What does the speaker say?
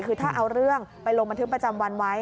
คือถ้าเอาเรื่องไปลงบันทึกประจำวันไว้